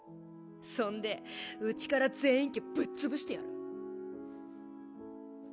そんで内から禪院家ぶっ潰してやる。